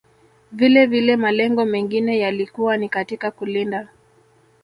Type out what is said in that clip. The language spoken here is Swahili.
Vilevile malengo mengine yalikuwa ni katika kulinda